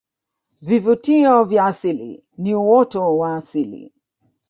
vivutio vya asili ni uoto wa asili